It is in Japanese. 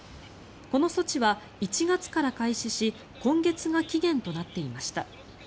この措置は１月から開始し今月が期限となっていました。